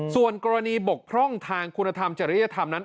ส่วนกรณีบกพร่องทางคุณธรรมจริยธรรมนั้น